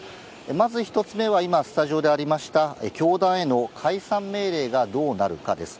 まず１つ目は、今、スタジオでありました、教団への解散命令がどうなるかです。